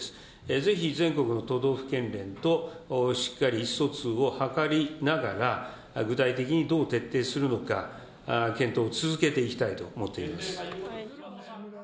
ぜひ全国の都道府県連としっかり意思疎通を図りながら、具体的にどう徹底するのか、検討を続けていきたいと思っています。